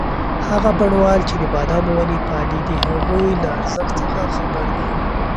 هغه بڼوال چې د بادامو ونې پالي د هغوی له ارزښت څخه خبر دی.